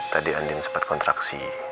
tadi andin sempat kontraksi